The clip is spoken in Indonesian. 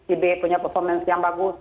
ib punya performance yang bagus